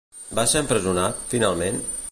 Va ser empresonat, finalment?